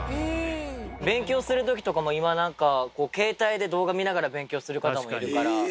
勉強するときとかも今、なんか、携帯とかで動画見ながら勉強する方もいるから。